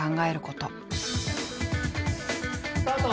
スタート！